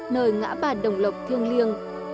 nơi ngã ba đồng lộc thương liêng